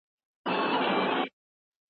دغه کڅوڼه په رښتیا ډېره لویه ده.